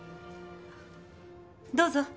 どうぞ。